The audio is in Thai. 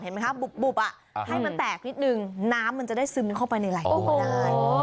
ไหมคะบุบให้มันแตกนิดนึงน้ำมันจะได้ซึมเข้าไปในไหล่ตัวได้